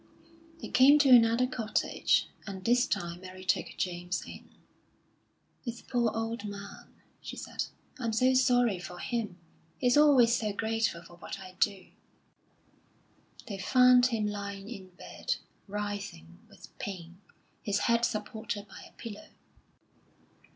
They came to another cottage, and this time Mary took James in. "It's a poor old man," she said. "I'm so sorry for him; he's always so grateful for what I do." They found him lying in bed, writhing with pain, his head supported by a pillow.